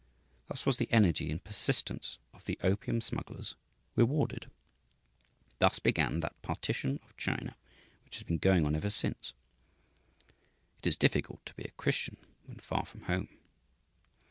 Thus was the energy and persistence of the opium smugglers rewarded. Thus began that partition of China which has been going on ever since. It is difficult to be a Christian when far from home.